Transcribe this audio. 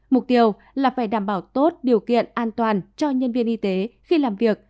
mục tiêu là phải đảm bảo tốt điều kiện an toàn cho nhân viên y tế khi làm việc